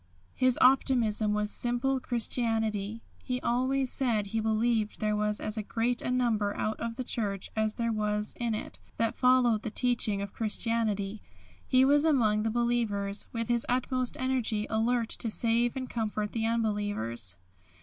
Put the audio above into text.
His optimism was simple Christianity. He always said he believed there was as great a number out of the Church as there was in it that followed the teaching of Christianity. He was among the believers, with his utmost energy alert to save and comfort the unbelievers.